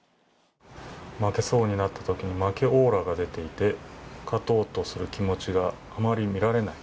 負けそうになったときに、負けオーラが出ていて、勝とうとする気持ちがあまり見られない。